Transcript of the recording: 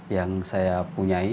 paling tidak dalam catatan sejarah